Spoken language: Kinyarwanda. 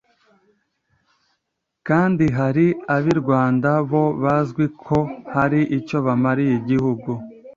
kandi hari ab’i Rwanda bo bazwi ko hari icyo bamariye igihugu,